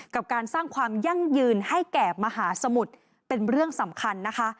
กับการสร้างความยั่งยืนให้แก่มหาสมุทรเป็นเรื่องสำคัญนะคะ